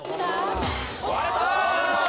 割れた！